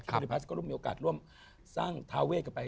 ทีมริพาสก็ได้มีโอกาสร่วมสร้างทาวเวสกันไป